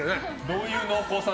どういう濃厚さ？